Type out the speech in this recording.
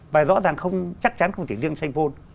và rõ ràng không chắc chắn không thể riêng sanh phôn